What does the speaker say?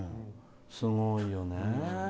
すごいよね。